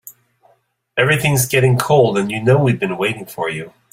Everything's getting cold and you know we've been waiting for you.